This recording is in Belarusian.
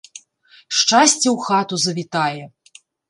Шчасце ў хату завітае!